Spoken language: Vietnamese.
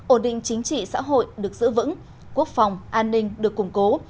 ổn định chính trị xã hội được giữ vững quốc phòng an ninh được củng cố